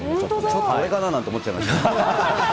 ちょっと俺かななんて思っちゃいました。